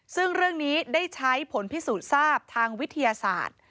ซึ่งเรื่องนี้ได้ใช้ผลพิสูจน์ทราบทางวิทยาศาสตร์